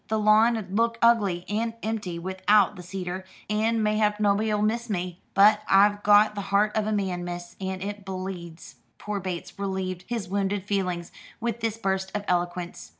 The lawn 'ud look ugly and empty without the cedar, and mayhap nobody'll miss me but I've got the heart of a man, miss, and it bleeds." Poor Bates relieved his wounded feelings with this burst of eloquence.